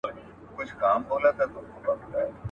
خامک ګنډل یو ښه هنر دی.